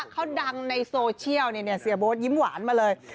เขาดังในโซเชียลเสียโบ๊ทยิ้มหวานมาเลย